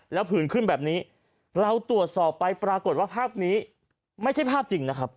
แล้วผื่นขึ้นแบบนี้เราตรวจสอบไปปรากฏว่าภาพนี้ไม่ใช่ภาพจริงนะครับ